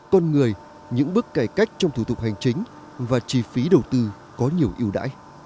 con người những bước cải cách trong thủ tục hành chính và chi phí đầu tư có nhiều yêu đãi